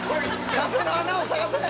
風の穴を探せ！」